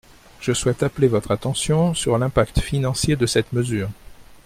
Je souhaite appeler votre attention sur l’impact financier de cette mesure.